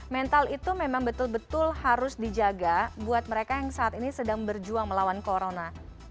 mental itu memang betul betul harus dijaga buat mereka yang saat ini sedang berjuang melawan corona